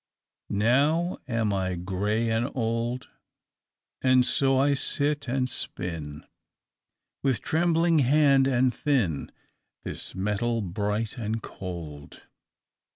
"Now am I grey and old, And so I sit and spin, With trembling hand and thin, This metal bright and cold.